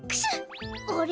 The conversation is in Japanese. あれ？